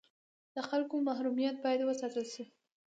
د خلکو محرمیت باید وساتل شي